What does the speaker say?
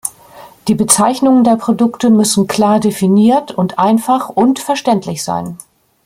Die Bezeichnungen der Produkte müssen klar definiert und einfach und verständlich sein.